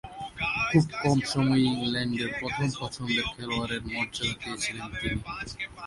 খুব কম সময়ই ইংল্যান্ডের প্রথম পছন্দের খেলোয়াড়ের মর্যাদা পেয়েছিলেন তিনি।